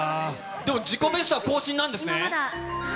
でも自己ベストは更新なんですね。